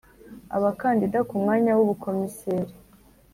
abakandida ku mwanya w ubukomiseri